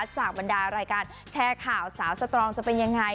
บรรดารายการแชร์ข่าวสาวสตรองจะเป็นยังไง